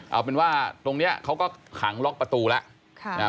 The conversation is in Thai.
เอาเป็นว่าตรงนี้เขาก็ขังล็อกประตูแล้ว